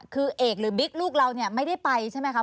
คือเอกหรือบิ๊กลูกเราไม่ได้ไปใช่ไหมครับ